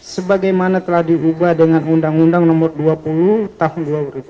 sebagaimana telah diubah dengan undang undang nomor dua puluh tahun dua ribu dua